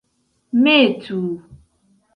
metu